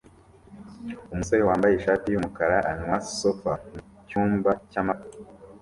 Umusore wambaye ishati yumukara anywa sofa mucyumba cyamabara